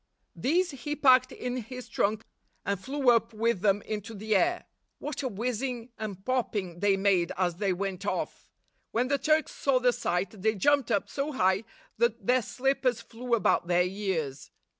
These he packed in his trunk, and flew up with them into the air. What a whizzing and popping they made as they went off! When the Turks saw the sight they jumped up so high that their slippers flew about their ears.